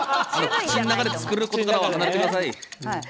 口の中で作ることから離れてください。